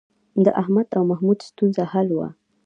د احمد او محمود ستونزه حل وه